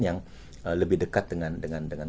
yang lebih dekat dengan